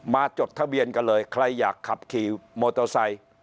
จดทะเบียนกันเลยใครอยากขับขี่มอเตอร์ไซค์